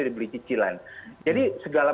dibeli cicilan jadi segala